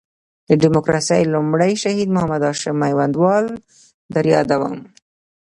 د ډیموکراسۍ لومړی شهید محمد هاشم میوندوال در یادوم.